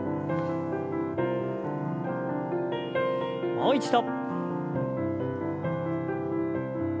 もう一度。